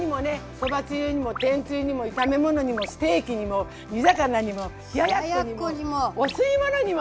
そばつゆにも天つゆにも炒め物にもステーキにも煮魚にも冷ややっこにもお吸い物にも！